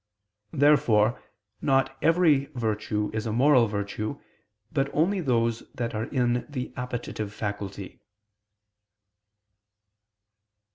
Therefore not every virtue is a moral virtue, but only those that are in the appetitive faculty.